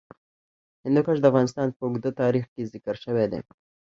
هندوکش د افغانستان په اوږده تاریخ کې ذکر شوی دی.